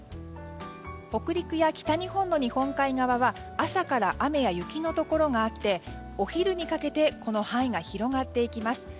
北陸や北日本の日本海側は朝から雨や雪のところがあってお昼にかけて範囲が広がっていきます。